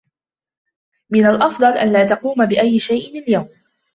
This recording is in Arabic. من الأفضل ألا تقوم بأي شيء اليوم.